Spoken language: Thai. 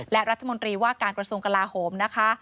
และรัฐมนตรีว่าการกระทรวงกลาโหมนะคะ